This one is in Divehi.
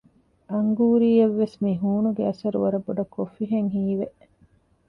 އަންގޫރީއަށް ވެސް މިހޫނުގެ އަސަރު ވަރަށް ބޮޑަށް ކޮށްފިހެން ހީވެ